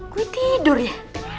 gue tidur ya